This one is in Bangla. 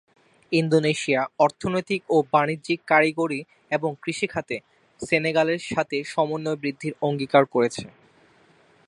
ইন্দোনেশিয়া, অর্থনৈতিক ও বাণিজ্যিক, কারিগরি এবং কৃষি খাতে সেনেগালের সাথে সমন্বয় বৃদ্ধির অঙ্গীকার করেছে।